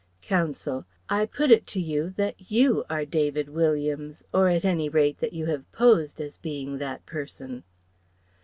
Counsel: "I put it to you that you are David Williams, or at any rate that you have posed as being that person."